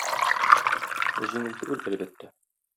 Җиңел түгел, әлбәттә.